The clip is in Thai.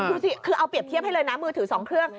ดูสิคือเอาเปรียบเทียบให้เลยนะมือถือ๒เครื่อง